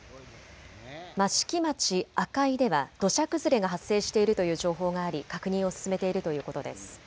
益城町赤井では土砂崩れが発生しているという情報があり確認を進めているということです。